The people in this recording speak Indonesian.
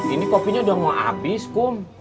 ini kopinya udah mau habis kok